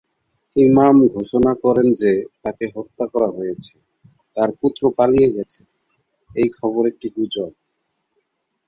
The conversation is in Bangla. ইমাম ঘোষণা করেন যে, তাকে হত্যা করা হয়েছে, তার পুত্র পালিয়ে গেছে, এই খবর একটি গুজব।